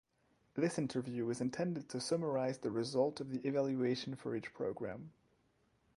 This interview is intended to summarize the results of the evaluation for each program.